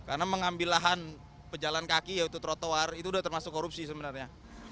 karena mengambil lahan pejalan kaki yaitu trotoar itu sudah termasuk korupsi sebenarnya